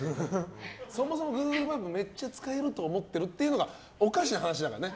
そもそもグーグルマップをめっちゃ使えると思ってるのがおかしな話だからね。